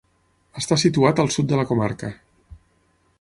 Està situat al sud de la comarca.